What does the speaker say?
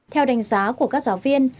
theo đánh giá của các giáo viên